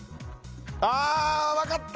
あ分かった！